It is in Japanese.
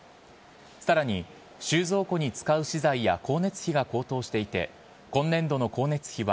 さらに、収蔵庫に使う資材や、光熱費が高騰していて、今年度の光熱費は、